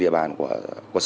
với vai trò quản lý chủ đề